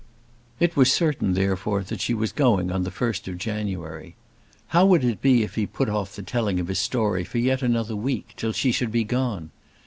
It was certain, therefore, that she was going on the first of January. How would it be if he put off the telling of his story for yet another week, till she should be gone?